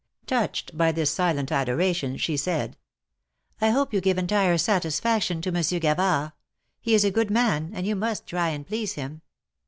Touched by this silent adoration, she said : '^I hope you give entire satisfaction to Monsieur Gavard. He is a good man, and you must try and please him."